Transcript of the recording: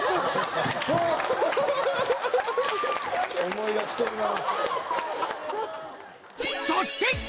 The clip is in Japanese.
思い出してるな。